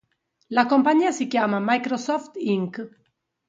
La compagnia si chiama Microsoft Inc.